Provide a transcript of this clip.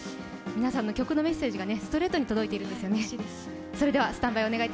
皆さんの曲のメッセージがストレートに届いているんですよね。